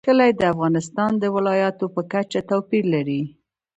کلي د افغانستان د ولایاتو په کچه توپیر لري.